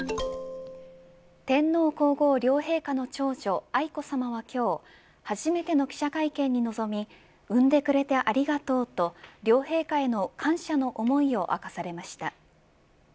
天皇皇后両陛下の長女愛子さまは今日初めての記者会見に臨み生んでくれて、ありがとうと両陛下への感謝の思いを明かされました。